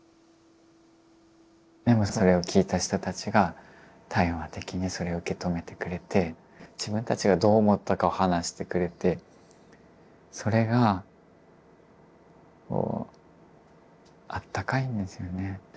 でもそれを聞いた人たちが対話的にそれを受け止めてくれて自分たちがどう思ったかを話してくれてそれがあったかいんですよね。